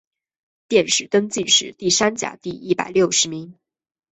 殿试登进士第三甲第一百六十名。